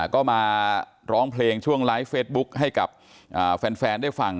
ก็มาร้องเพลงช่วงไลฟ์เฟซบุ๊คให้กับแฟนได้ฟัง